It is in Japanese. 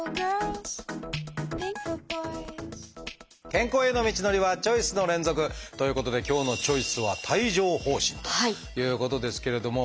健康への道のりはチョイスの連続！ということで今日の「チョイス」は「帯状疱疹」ということですけれども。